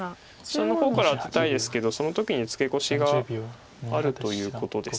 下の方からアテたいですけどその時にツケコシがあるということですか。